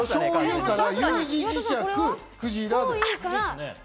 しょうゆからＵ字磁石、クジラ。